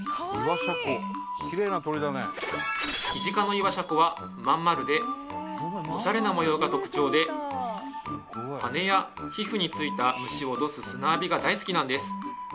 キジ科のイワシャコは真ん丸でオシャレな模様が特徴で羽や皮膚についた虫を落とす砂浴びが大好きなんです